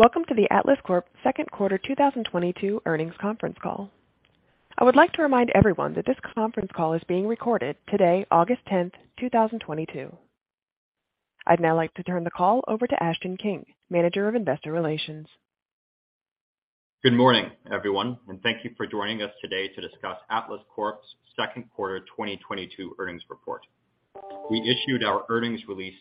Welcome to the Atlas Corp. second quarter 2022 earnings conference call. I would like to remind everyone that this conference call is being recorded today, August 10, 2022. I'd now like to turn the call over to Ashton King, Manager of Investor Relations. Good morning, everyone, and thank you for joining us today to discuss Atlas Corp.'s second quarter 2022 earnings report. We issued our earnings release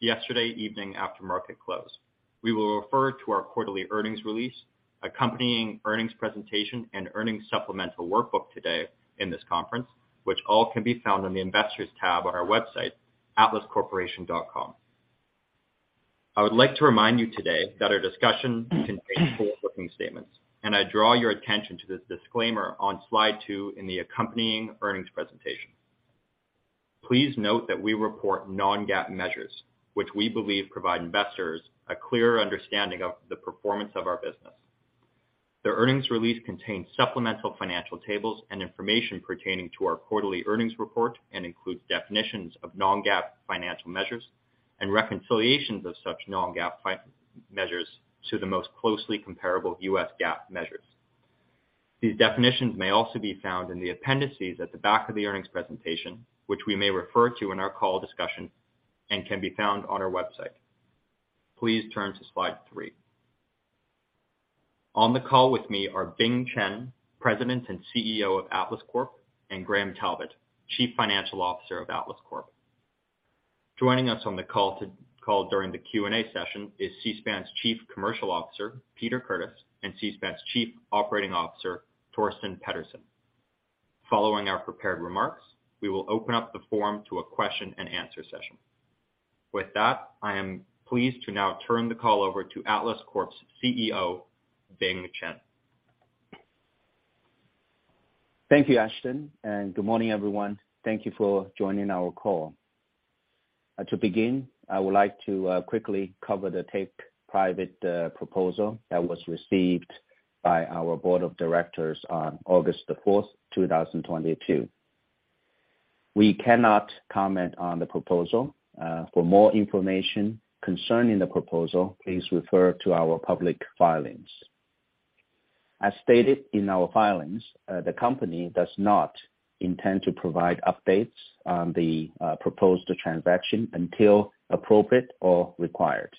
yesterday evening after market close. We will refer to our quarterly earnings release, accompanying earnings presentation, and earnings supplemental workbook today in this conference, which all can be found on the Investors tab on our website, atlascorporation.com. I would like to remind you today that our discussion contains forward-looking statements, and I draw your attention to this disclaimer on slide 2 in the accompanying earnings presentation. Please note that we report non-GAAP measures, which we believe provide investors a clearer understanding of the performance of our business. The earnings release contains supplemental financial tables and information pertaining to our quarterly earnings report and includes definitions of non-GAAP financial measures and reconciliations of such non-GAAP measures to the most closely comparable U.S. GAAP measures. These definitions may also be found in the appendices at the back of the earnings presentation, which we may refer to in our call discussion and can be found on our website. Please turn to slide three. On the call with me are Bing Chen, President and CEO of Atlas Corp., and Graham Talbot, Chief Financial Officer of Atlas Corp. Joining us on the call during the Q&A session is Seaspan's Chief Commercial Officer, Peter Curtis, and Seaspan's Chief Operating Officer, Torsten Pedersen. Following our prepared remarks, we will open up the forum to a question-and-answer session. With that, I am pleased to now turn the call over to Atlas Corp.'s CEO, Bing Chen. Thank you, Ashton, and good morning, everyone. Thank you for joining our call. To begin, I would like to quickly cover the take-private proposal that was received by our board of directors on August 4, 2022. We cannot comment on the proposal. For more information concerning the proposal, please refer to our public filings. As stated in our filings, the company does not intend to provide updates on the proposed transaction until appropriate or required.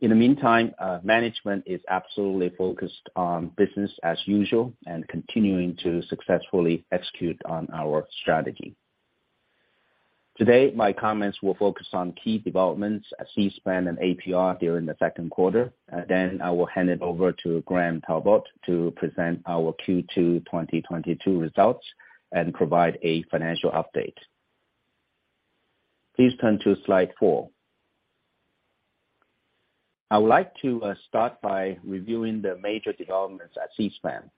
In the meantime, management is absolutely focused on business as usual and continuing to successfully execute on our strategy. Today, my comments will focus on key developments at Seaspan and APR during the second quarter. Then I will hand it over to Graham Talbot to present our Q2 2022 results and provide a financial update. Please turn to slide 4. I would like to start by reviewing the major developments at Seaspan.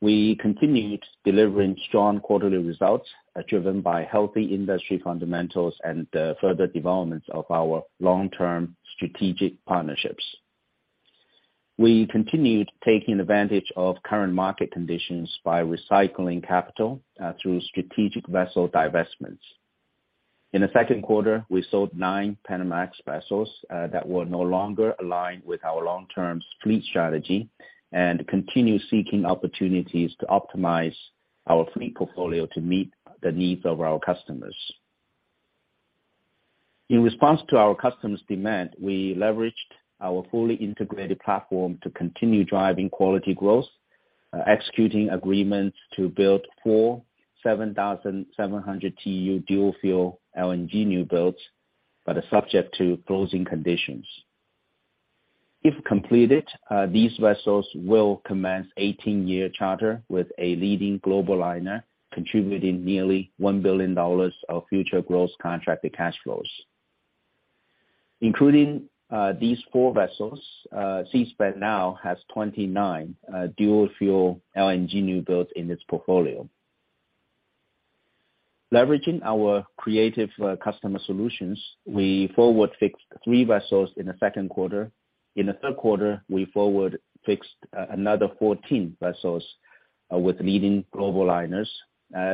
We continued delivering strong quarterly results driven by healthy industry fundamentals and further developments of our long-term strategic partnerships. We continued taking advantage of current market conditions by recycling capital through strategic vessel divestments. In the second quarter, we sold 9 Panamax vessels that were no longer aligned with our long-term fleet strategy and continue seeking opportunities to optimize our fleet portfolio to meet the needs of our customers. In response to our customers' demand, we leveraged our fully integrated platform to continue driving quality growth, executing agreements to build 4 7,700 TEU dual fuel LNG new builds, but are subject to closing conditions. If completed, these vessels will commence 18-year charter with a leading global liner, contributing nearly $1 billion of future gross contracted cash flows. Including these four vessels, Seaspan now has 29 dual fuel LNG new builds in its portfolio. Leveraging our creative customer solutions, we forward-fixed three vessels in the second quarter. In the third quarter, we forward-fixed another 14 vessels with leading global liners.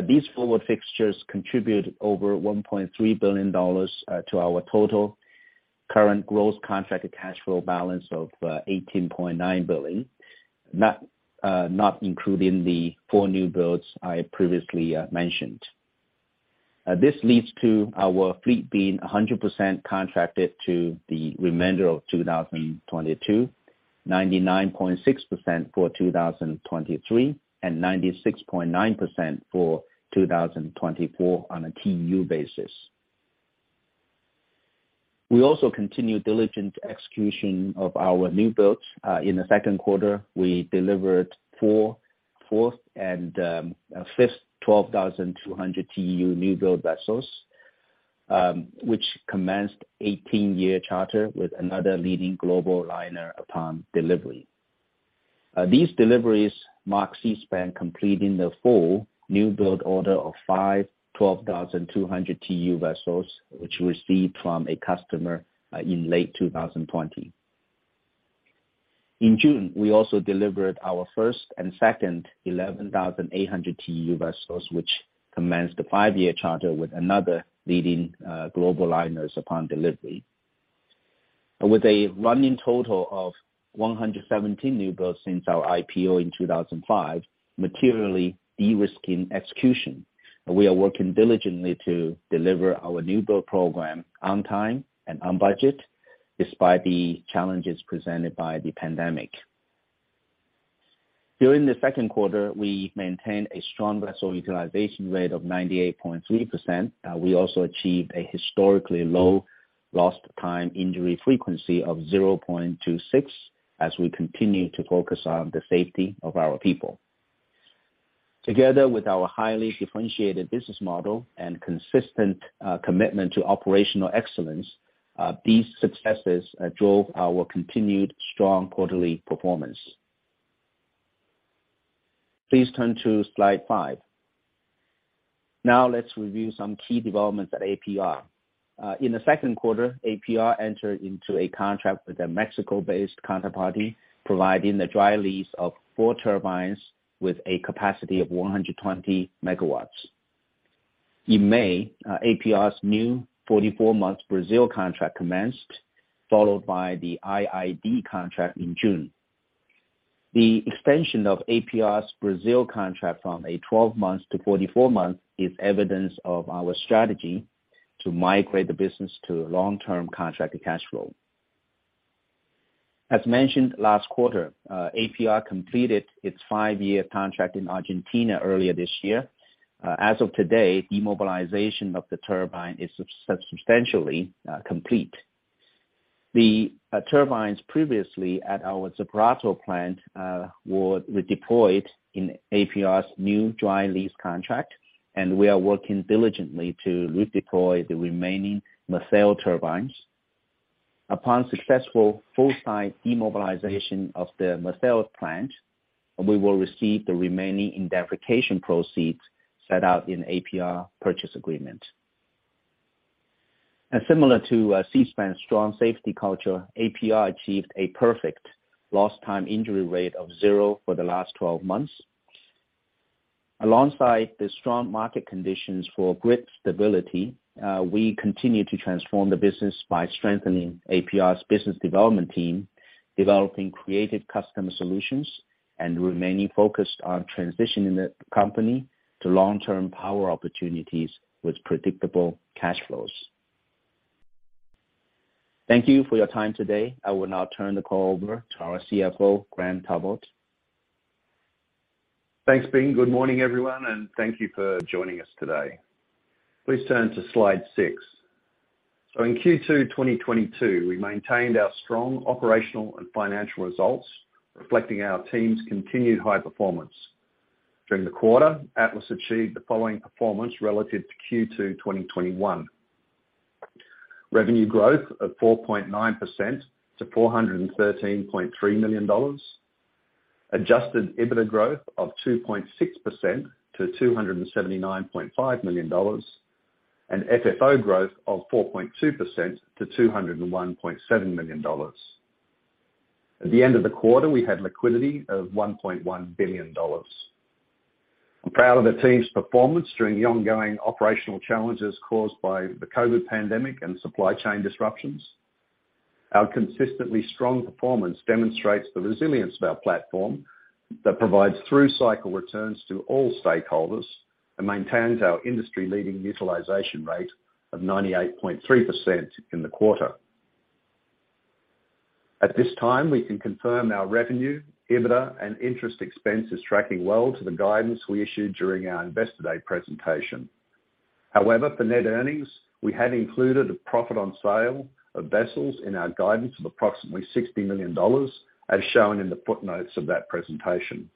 These forward fixtures contribute over $1.3 billion to our total current gross contracted cash flow balance of $18.9 billion, not including the four new builds I previously mentioned. This leads to our fleet being 100% contracted to the remainder of 2022, 99.6% for 2023, and 96.9% for 2024 on a TEU basis. We also continue diligent execution of our new builds. In the second quarter, we delivered fourth and fifth 12,200 TEU new build vessels, which commenced 18-year charter with another leading global liner upon delivery. These deliveries mark Seaspan completing the full new build order of five 12,200 TEU vessels, which we received from a customer in late 2020. In June, we also delivered our first and second 11,800 TEU vessels, which commenced the 5-year charter with another leading global liners upon delivery. With a running total of 117 new builds since our IPO in 2005, materially de-risking execution, we are working diligently to deliver our new build program on time and on budget despite the challenges presented by the pandemic. During the second quarter, we maintained a strong vessel utilization rate of 98.3%. We also achieved a historically low lost time injury frequency of 0.26 as we continue to focus on the safety of our people. Together with our highly differentiated business model and consistent commitment to operational excellence, these successes drove our continued strong quarterly performance. Please turn to slide 5. Now let's review some key developments at APR. In the second quarter, APR entered into a contract with a Mexico-based counterparty, providing the dry lease of 4 turbines with a capacity of 120 megawatts. In May, APR's new 44-month Brazil contract commenced, followed by the IID contract in June. The extension of APR's Brazil contract from a 12 months to 44 months is evidence of our strategy to migrate the business to long-term contracted cash flow. As mentioned last quarter, APR completed its 5-year contract in Argentina earlier this year. As of today, demobilization of the turbine is substantially complete. The turbines previously at our Zárate plant were deployed in APR's new dry lease contract, and we are working diligently to redeploy the remaining Marseille turbines. Upon successful full site demobilization of the Marseille plant, we will receive the remaining indemnification proceeds set out in APR purchase agreement. Similar to Seaspan's strong safety culture, APR achieved a perfect lost time injury rate of 0 for the last 12 months. Alongside the strong market conditions for grid stability, we continue to transform the business by strengthening APR's business development team, developing creative customer solutions, and remaining focused on transitioning the company to long-term power opportunities with predictable cash flows. Thank you for your time today. I will now turn the call over to our CFO, Graham Talbot. Thanks, Bing. Good morning, everyone, and thank you for joining us today. Please turn to slide 6. In Q2 2022, we maintained our strong operational and financial results, reflecting our team's continued high performance. During the quarter, Atlas achieved the following performance relative to Q2 2021. Revenue growth of 4.9% to $413.3 million. Adjusted EBITDA growth of 2.6% to $279.5 million. FFO growth of 4.2% to $201.7 million. At the end of the quarter, we had liquidity of $1.1 billion. I'm proud of the team's performance during the ongoing operational challenges caused by the COVID pandemic and supply chain disruptions. Our consistently strong performance demonstrates the resilience of our platform that provides through-cycle returns to all stakeholders and maintains our industry-leading utilization rate of 98.3% in the quarter. At this time, we can confirm our revenue, EBITDA, and interest expense is tracking well to the guidance we issued during our Investor Day presentation. However, for net earnings, we have included a profit on sale of vessels in our guidance of approximately $60 million, as shown in the footnotes of that presentation.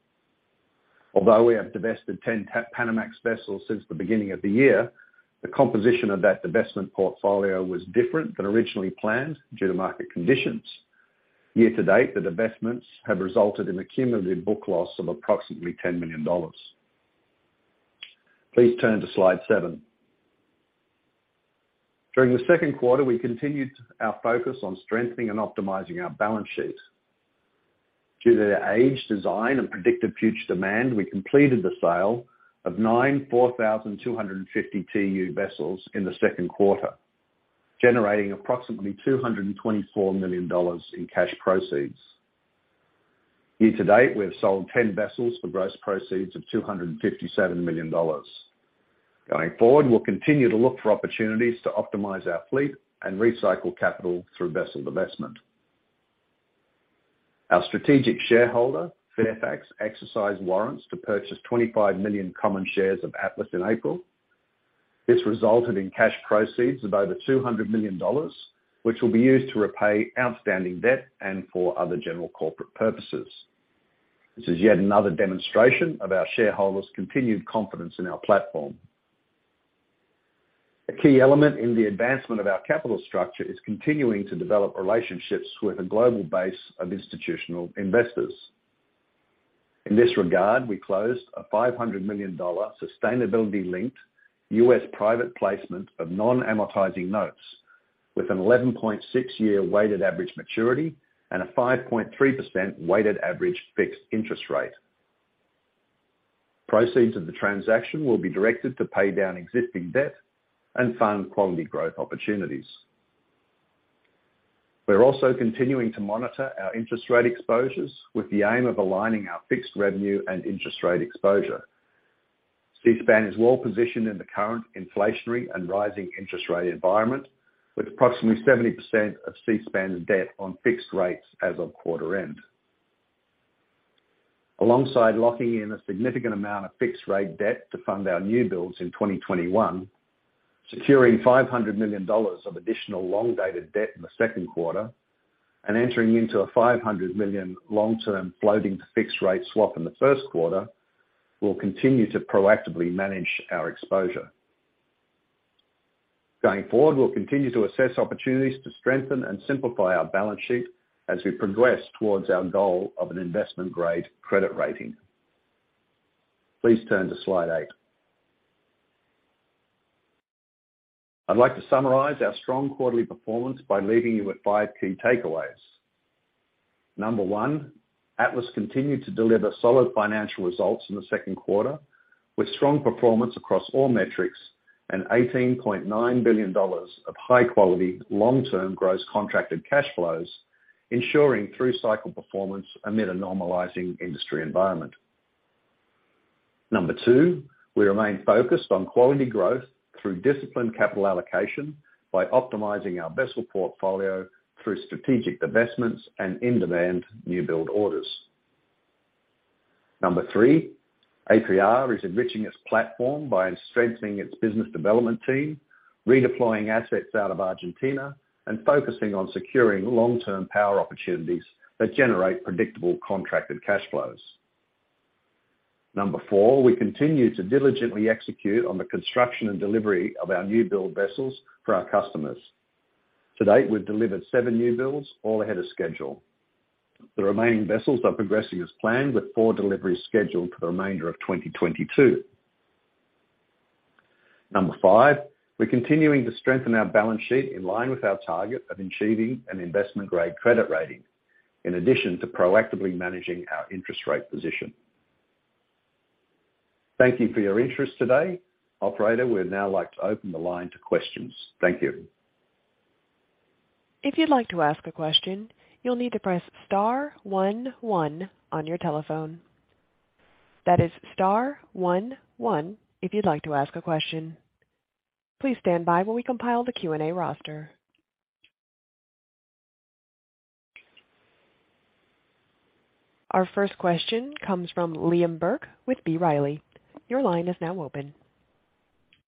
Although we have divested 10 Panamax vessels since the beginning of the year, the composition of that divestment portfolio was different than originally planned due to market conditions. Year to date, the divestments have resulted in a cumulative book loss of approximately $10 million. Please turn to slide 7. During the second quarter, we continued our focus on strengthening and optimizing our balance sheet. Due to the age, design, and predicted future demand, we completed the sale of nine 4,250 TEU vessels in the second quarter, generating approximately $224 million in cash proceeds. Year to date, we have sold 10 vessels for gross proceeds of $257 million. Going forward, we'll continue to look for opportunities to optimize our fleet and recycle capital through vessel divestment. Our strategic shareholder, Fairfax, exercised warrants to purchase 25 million common shares of Atlas in April. This resulted in cash proceeds of over $200 million, which will be used to repay outstanding debt and for other general corporate purposes. This is yet another demonstration of our shareholders' continued confidence in our platform. A key element in the advancement of our capital structure is continuing to develop relationships with a global base of institutional investors. In this regard, we closed a $500 million sustainability-linked U.S. private placement of non-amortizing notes with an 11.6-year weighted average maturity and a 5.3% weighted average fixed interest rate. Proceeds of the transaction will be directed to pay down existing debt and fund quality growth opportunities. We're also continuing to monitor our interest rate exposures with the aim of aligning our fixed revenue and interest rate exposure. Seaspan is well positioned in the current inflationary and rising interest rate environment, with approximately 70% of Seaspan's debt on fixed rates as of quarter end. Alongside locking in a significant amount of fixed rate debt to fund our new builds in 2021, securing $500 million of additional long-dated debt in the second quarter and entering into a $500 million long-term floating to fixed rate swap in the first quarter will continue to proactively manage our exposure. Going forward, we'll continue to assess opportunities to strengthen and simplify our balance sheet as we progress towards our goal of an investment grade credit rating. Please turn to slide 8. I'd like to summarize our strong quarterly performance by leaving you with 5 key takeaways. 1, Atlas continued to deliver solid financial results in the second quarter with strong performance across all metrics and $18.9 billion of high quality long-term gross contracted cash flows, ensuring through cycle performance amid a normalizing industry environment. 2, we remain focused on quality growth through disciplined capital allocation by optimizing our vessel portfolio through strategic divestments and in-demand new build orders. 3, APR is enriching its platform by strengthening its business development team, redeploying assets out of Argentina and focusing on securing long-term power opportunities that generate predictable contracted cash flows. 4, we continue to diligently execute on the construction and delivery of our new build vessels for our customers. To date, we've delivered 7 new builds all ahead of schedule. The remaining vessels are progressing as planned, with 4 deliveries scheduled for the remainder of 2022. 5, we're continuing to strengthen our balance sheet in line with our target of achieving an investment grade credit rating, in addition to proactively managing our interest rate position. Thank you for your interest today. Operator, we'd now like to open the line to questions. Thank you. If you'd like to ask a question, you'll need to press star one one on your telephone. That is star one one, if you'd like to ask a question. Please stand by while we compile the Q&A roster. Our first question comes from Liam Burke with B. Riley. Your line is now open.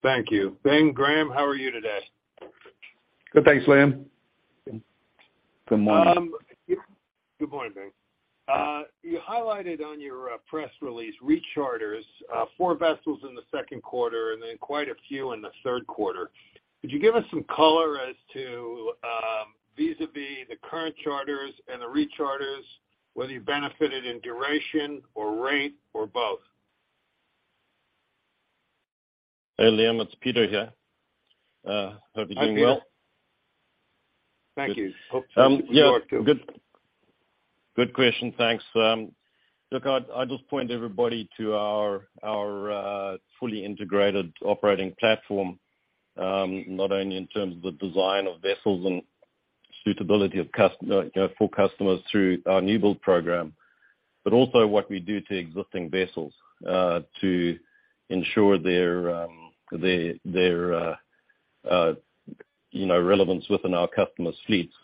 Thank you. Bing, Graham, how are you today? Good. Thanks, Liam. Good morning. Good morning, Bing. You highlighted on your press release recharters four vessels in the second quarter and then quite a few in the third quarter. Could you give us some color as to, vis-à-vis the current charters and the recharters, whether you benefited in duration or rate or both? Hey, Liam, it's Peter here. Hope you're doing well. Hi, Peter. Thank you. Hope. Yeah. New York too. Good, good question, thanks Liam. Look, I'd just point everybody to our fully integrated operating platform, not only in terms of the design of vessels and suitability you know for customers through our new build program, but also what we do to existing vessels to ensure their you know relevance within our customers' fleets.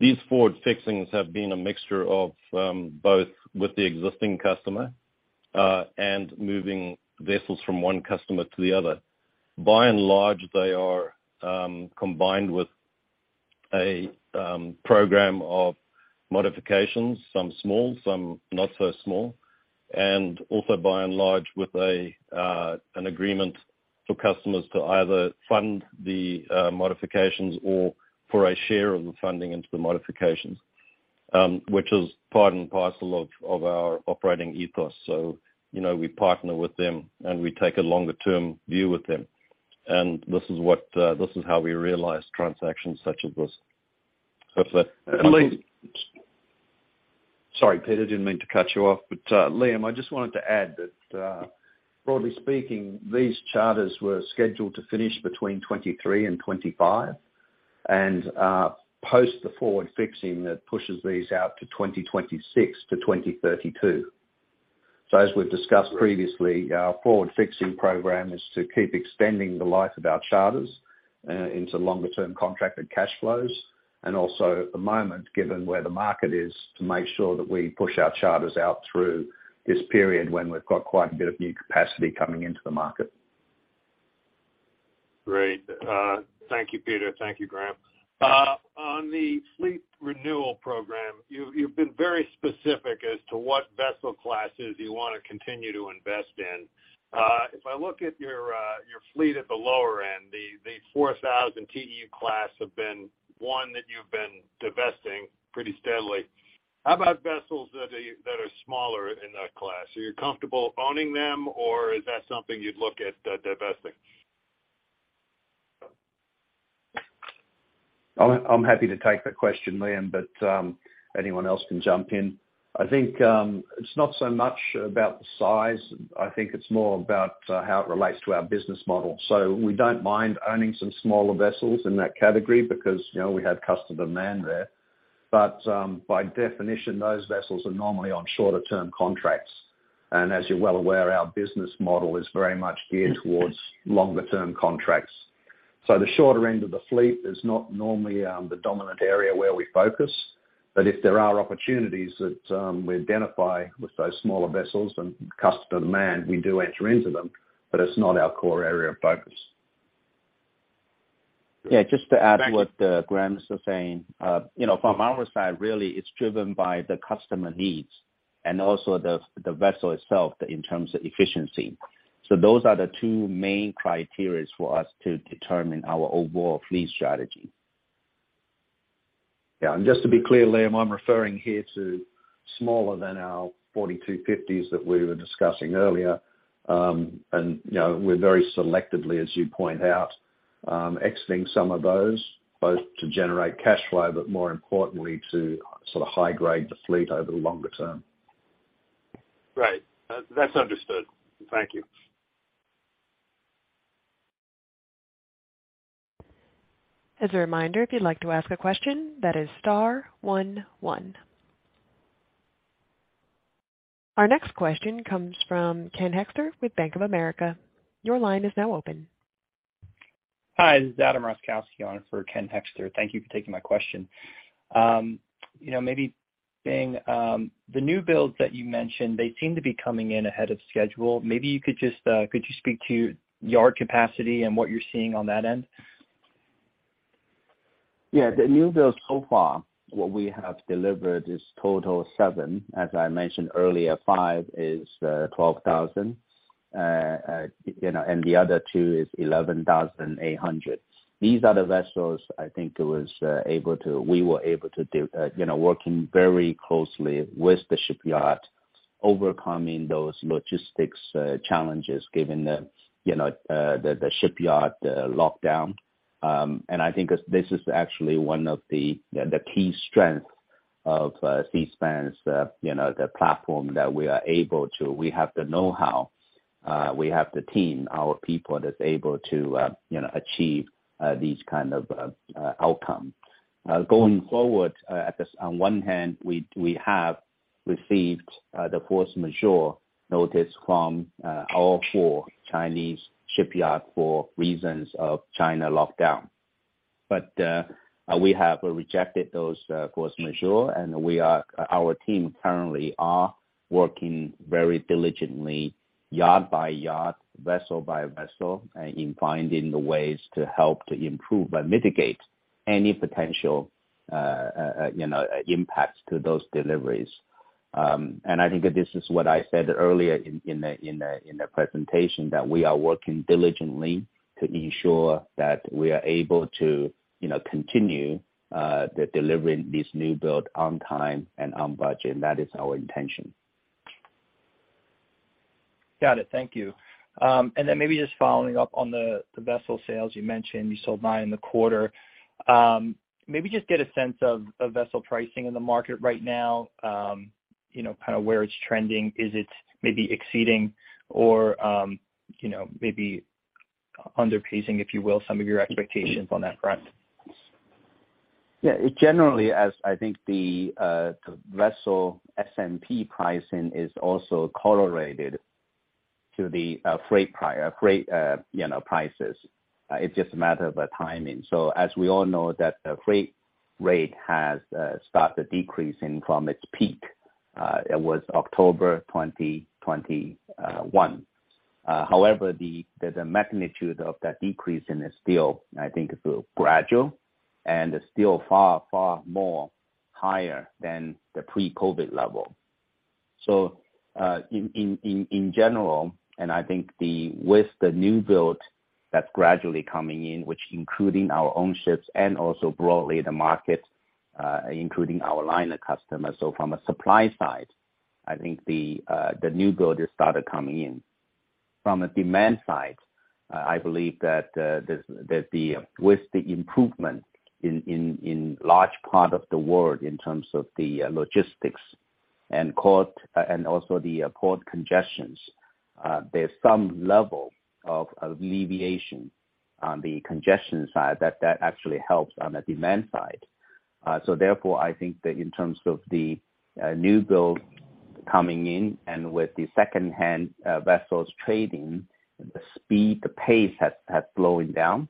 These forward fixings have been a mixture of both with the existing customer and moving vessels from one customer to the other. By and large, they are combined with a program of modifications, some small, some not so small, and also by and large with an agreement for customers to either fund the modifications or for a share of the funding into the modifications, which is part and parcel of our operating ethos. You know, we partner with them, and we take a longer term view with them. This is how we realize transactions such as this. Hopefully- Liam. Sorry, Peter. I didn't mean to cut you off. Liam, I just wanted to add that, broadly speaking, these charters were scheduled to finish between 2023 and 2025. Post the forward fixing that pushes these out to 2026 to 2032. As we've discussed previously, our forward fixing program is to keep extending the life of our charters into longer term contracted cash flows. Also at the moment, given where the market is to make sure that we push our charters out through this period when we've got quite a bit of new capacity coming into the market. Great. Thank you, Peter. Thank you, Graham. On the fleet renewal program, you've been very specific as to what vessel classes you wanna continue to invest in. If I look at your fleet at the lower end, the 4,000 TEU class have been one that you've been divesting pretty steadily. How about vessels that are smaller in that class? Are you comfortable owning them, or is that something you'd look at divesting? I'm happy to take that question, Liam, but anyone else can jump in. I think it's not so much about the size. I think it's more about how it relates to our business model. We don't mind owning some smaller vessels in that category because, you know, we have customer demand there. By definition, those vessels are normally on shorter term contracts. As you're well aware, our business model is very much geared towards longer term contracts. The shorter end of the fleet is not normally the dominant area where we focus. If there are opportunities that we identify with those smaller vessels and customer demand, we do enter into them, but it's not our core area of focus. Yeah, just to add to what Graham is saying. You know, from our side, really, it's driven by the customer needs and also the vessel itself in terms of efficiency. Those are the two main criteria for us to determine our overall fleet strategy. Yeah. Just to be clear, Liam, I'm referring here to smaller than our 4,250s that we were discussing earlier. You know, we're very selectively, as you point out, exiting some of those, both to generate cash flow, but more importantly, to sort of high grade the fleet over the longer term. Right. That's understood. Thank you. As a reminder, if you'd like to ask a question, that is star one one. Our next question comes from Ken Hoexter with Bank of America. Your line is now open. Hi, this is Adam Roszkowski on for Ken Hoexter. Thank you for taking my question. You know, the new builds that you mentioned, they seem to be coming in ahead of schedule. Maybe you could just speak to yard capacity and what you're seeing on that end? The new builds so far, what we have delivered is total 7. As I mentioned earlier, five is, twelve thousand, you know, and the other two is eleven thousand eight hundred. These are the vessels we were able to do, you know, working very closely with the shipyard, overcoming those logistics challenges, given the, you know, the shipyard lockdown. I think this is actually one of the key strengths of Seaspan's, you know, the platform that we are able to. We have the know-how, we have the team, our people that's able to, you know, achieve these kind of outcome. Going forward, on one hand, we have received the force majeure notice from all four Chinese shipyards for reasons of China lockdown. We have rejected those force majeure, and our team currently are working very diligently, yard by yard, vessel by vessel, in finding the ways to help to improve and mitigate any potential, you know, impacts to those deliveries. I think this is what I said earlier in the presentation, that we are working diligently to ensure that we are able to, you know, continue the delivering this new build on time and on budget. That is our intention. Got it. Thank you. Maybe just following up on the vessel sales you mentioned, you sold 9 in the quarter. Maybe just get a sense of vessel pricing in the market right now, you know, kinda where it's trending. Is it maybe exceeding or, you know, maybe under pacing, if you will, some of your expectations on that front? Yeah. It generally, as I think the vessel S&P pricing is also correlated to the freight, you know, prices. It's just a matter of a timing. As we all know that the freight rate has started decreasing from its peak, it was October 2021. However, the magnitude of that decrease in is still, I think, still gradual and still far more higher than the pre-COVID level. In general, and I think with the new build that's gradually coming in, which including our own ships and also broadly the market, including our liner customers. From a supply side, I think the new build has started coming in. From a demand side, I believe that with the improvement in large part of the world in terms of the logistics and port and also the port congestions, there's some level of alleviation on the congestion side that actually helps on the demand side. So therefore, I think that in terms of the new build coming in and with the second-hand vessels trading, the speed, the pace has slowing down.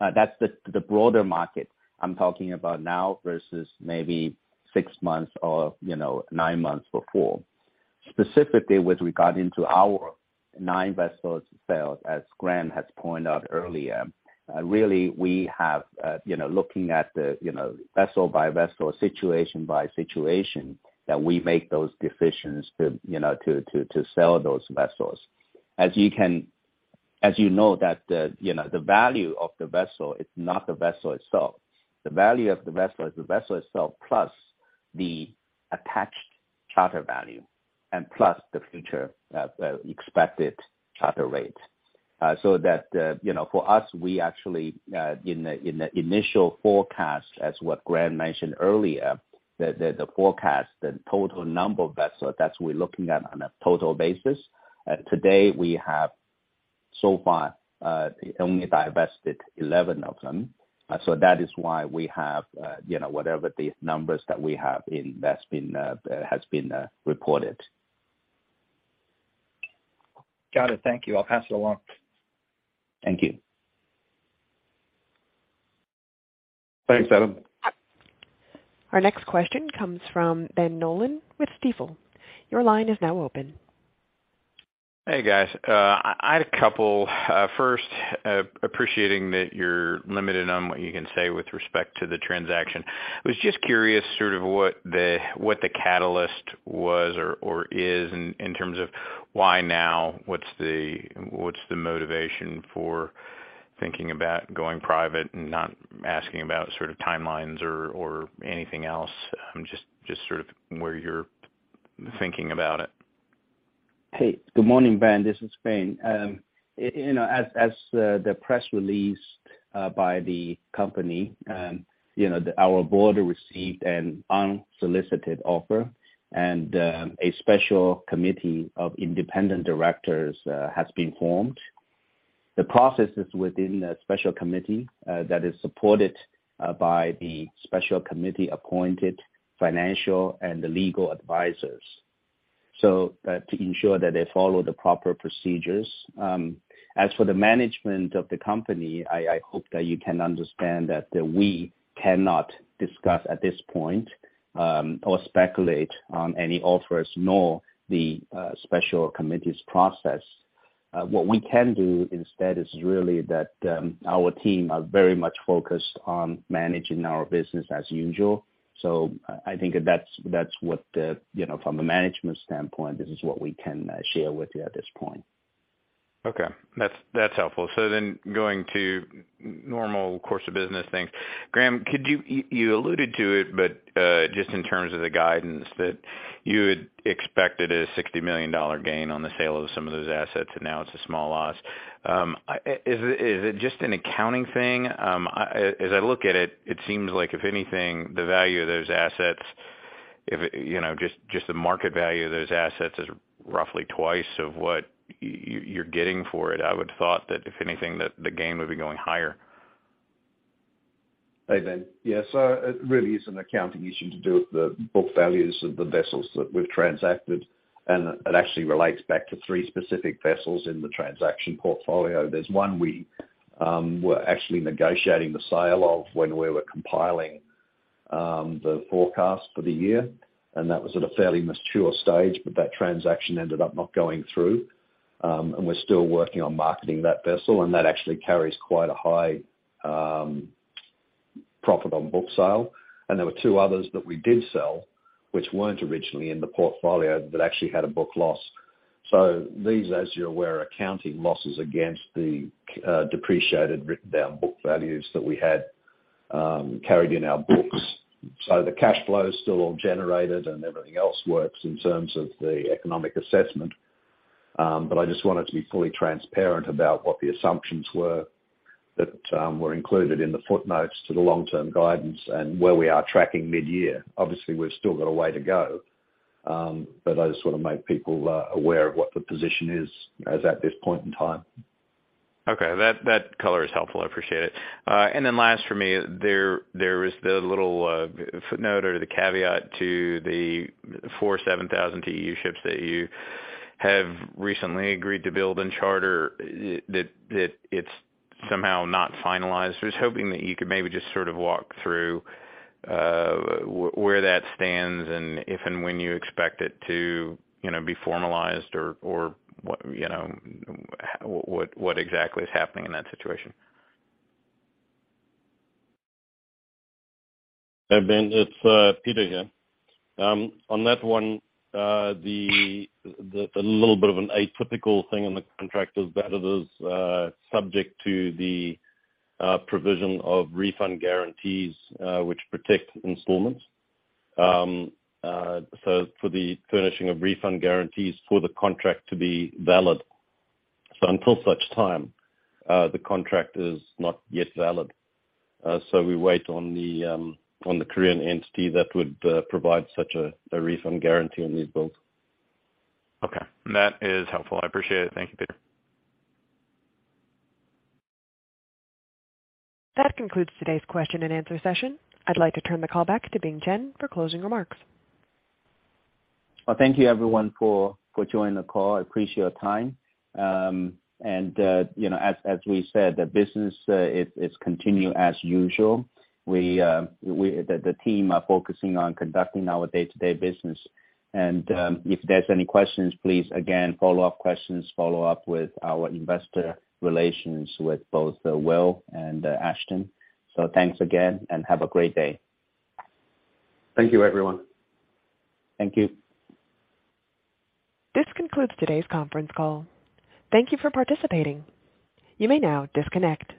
That's the broader market I'm talking about now versus maybe 6 months or, you know, 9 months before. Specifically with regard to our 9 vessels sales, as Graham has pointed out earlier, really we have, you know, looking at the, you know, vessel by vessel, situation by situation, that we make those decisions to, you know, to sell those vessels. As you know that the, you know, the value of the vessel is not the vessel itself. The value of the vessel is the vessel itself plus the attached charter value and plus the future expected charter rate. For us, we actually in the initial forecast, as what Graham mentioned earlier, the forecast, the total number of vessels that we're looking at on a total basis, today we have so far only divested 11 of them. That is why we have, you know, whatever these numbers that we have in that has been reported. Got it. Thank you. I'll pass it along. Thank you. Thanks, Adam. Our next question comes from Ben Nolan with Stifel. Your line is now open. Hey, guys. I had a couple. First, appreciating that you're limited on what you can say with respect to the transaction. I was just curious sort of what the catalyst was or is in terms of why now, what's the motivation for thinking about going private and not asking about sort of timelines or anything else? Just sort of where you're thinking about it. Hey, good morning, Ben. This is Bing. You know, as the press release by the company, you know, our board received an unsolicited offer and a special committee of independent directors has been formed. The process is within a special committee that is supported by the special committee appointed financial and the legal advisors to ensure that they follow the proper procedures. As for the management of the company, I hope that you can understand that we cannot discuss at this point or speculate on any offers nor the special committee's process. What we can do instead is really that our team are very much focused on managing our business as usual. I think that's what you know from a management standpoint, this is what we can share with you at this point. That's helpful. Going to normal course of business things. Graham, you alluded to it, but just in terms of the guidance that you had expected a $60 million gain on the sale of some of those assets, and now it's a small loss. Is it just an accounting thing? As I look at it seems like if anything, the value of those assets, the market value of those assets is roughly twice of what you're getting for it. I would have thought that if anything, that the gain would be going higher. Hey, Ben. Yeah. It really is an accounting issue to do with the book values of the vessels that we've transacted, and it actually relates back to three specific vessels in the transaction portfolio. There's one we were actually negotiating the sale of when we were compiling the forecast for the year, and that was at a fairly mature stage, but that transaction ended up not going through. We're still working on marketing that vessel, and that actually carries quite a high profit on book sale. There were two others that we did sell, which weren't originally in the portfolio that actually had a book loss. These, as you're aware, are accounting losses against the depreciated written down book values that we had carried in our books. The cash flow is still all generated and everything else works in terms of the economic assessment. I just wanted to be fully transparent about what the assumptions were that were included in the footnotes to the long-term guidance and where we are tracking mid-year. Obviously, we've still got a way to go, but I just wanna make people aware of what the position is at this point in time. Okay. That color is helpful. I appreciate it. Then last for me, there was the little footnote or the caveat to the 4,700 TEU ships that you have recently agreed to build and charter that it's somehow not finalized. I was hoping that you could maybe just sort of walk through where that stands and if and when you expect it to, you know, be formalized or what, you know, what exactly is happening in that situation. Hey, Ben, it's Peter here. On that one, a little bit of an atypical thing in the contract is that it is subject to the provision of refund guarantees, which protect installments. For the furnishing of refund guarantees for the contract to be valid. Until such time, the contract is not yet valid. We wait on the Korean entity that would provide such a refund guarantee on these builds. Okay. That is helpful. I appreciate it. Thank you, Peter. That concludes today's question and answer session. I'd like to turn the call back to Bing Chen for closing remarks. Well, thank you everyone for joining the call. I appreciate your time. You know, as we said, the business is continuing as usual. The team are focusing on conducting our day-to-day business. If there's any questions, please again, follow-up questions, follow up with our investor relations with both Will and Ashton. Thanks again and have a great day. Thank you, everyone. Thank you. This concludes today's conference call. Thank you for participating. You may now disconnect.